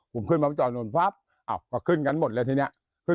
ผมขึ้นมามันจอดนี่อ้าวก็ขึ้นกันหมดเลยทีนี้